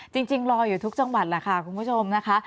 จริงรออยู่ทุกจังหวัดแหละค่ะคุณผู้ชมนะคะ